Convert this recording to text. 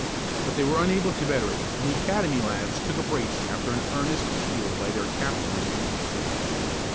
But they were unable to better it for the Academy lads took a brace after an earnest appeal by their captain and manager.